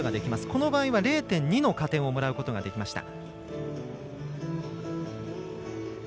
この場合は０．２の加点をもらうことができました。